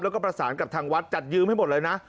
แล้วก็ประสานกับทางวัดจัดยืมให้หมดเลยนะ